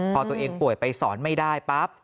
พอตัวเองป่วยไปสอนไม่ได้ปั๊บ